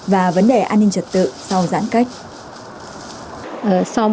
và vấn đề an ninh trật tự sau giãn cách